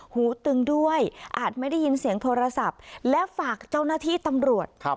หูตึงด้วยอาจไม่ได้ยินเสียงโทรศัพท์และฝากเจ้าหน้าที่ตำรวจ